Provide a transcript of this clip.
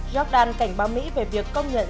jordan cảnh báo mỹ về việc công nhận